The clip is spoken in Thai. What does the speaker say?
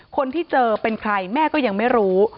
คนที่เจอเป็นใครแม่ก็ยังไม่รู้